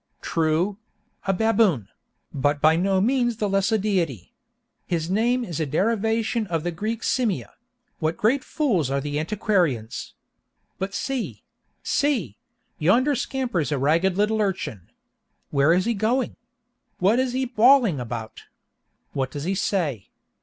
True—a baboon; but by no means the less a deity. His name is a derivation of the Greek Simia—what great fools are antiquarians! But see!—see!—yonder scampers a ragged little urchin. Where is he going? What is he bawling about? What does he say?